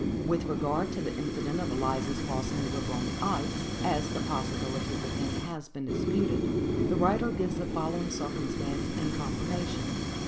With regard to the incident of Eliza's crossing the river on the ice,—as the possibility of the thing has been disputed,—the writer gives the following circumstance in confirmation.